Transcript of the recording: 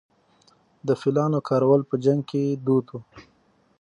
د فیلانو کارول په جنګ کې دود و